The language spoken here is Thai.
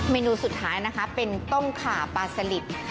นูสุดท้ายนะคะเป็นต้มขาปลาสลิด